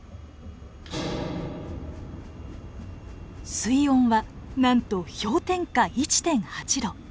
水温はなんと氷点下１．８度。